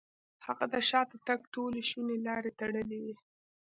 هغه د شاته تګ ټولې شونې لارې تړلې وې.